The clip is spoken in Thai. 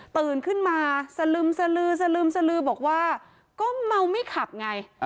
ตื่นขึ้นมาสลึมบอกว่าก็เมาไม่ขับไง